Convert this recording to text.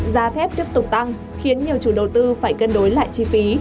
giá thép tiếp tục tăng khiến nhiều chủ đầu tư phải cân đối lại chi phí